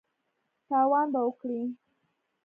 تاوان به وکړې !